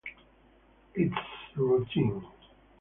It is routine.